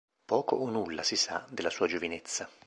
Poco o nulla si sa della sua giovinezza.